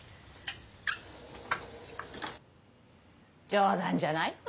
冗談じゃないよ